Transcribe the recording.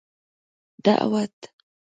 دعوت